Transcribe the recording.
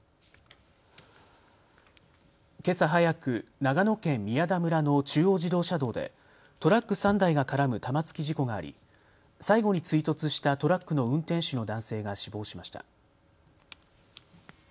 けさ早く長野県宮田村の中央自動車道でトラック３台が絡む玉突き事故があり最後に追突したトラックの運転手の男性が死亡しました。